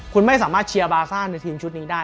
คุณไม่สามารถเชียร์บาซ่าในทีมชุดนี้ได้